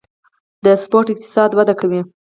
د سپورت اقتصاد وده کوي